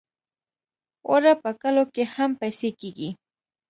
اوړه په کلو کې هم پېسې کېږي